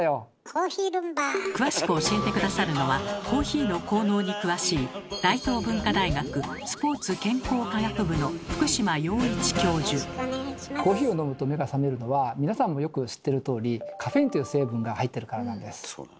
詳しく教えて下さるのはコーヒーの効能に詳しい皆さんもよく知ってるとおり「カフェイン」という成分が入ってるからなんです。